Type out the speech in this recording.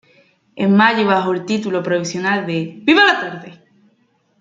En mayo, y bajo el título provisional de "¡Viva la tarde!